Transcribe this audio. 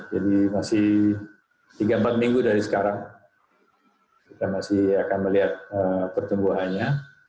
jadi masih tiga empat minggu dari sekarang kita masih akan melihat pertumbuhannya